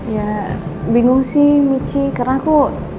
ya bingung sih michi karena aku